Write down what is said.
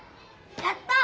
やった！